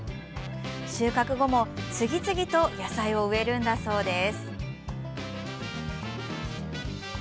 収穫後も次々と野菜を植えるんだそうです。